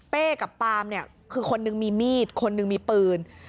เป้กับปั๊มคือคนนึงมีมีดคนนึงมีปืน